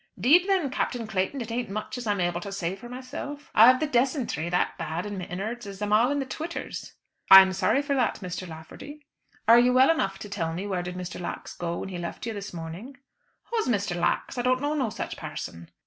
"'Deed, then, Captain Clayton, it ain't much as I'm able to say for myself. I've the decentry that bad in my innards as I'm all in the twitters." "I'm sorry for that, Mr. Lafferty. Are you well enough to tell me where did Mr. Lax go when he left you this morning?" "Who's Mr. Lax? I don't know no such person."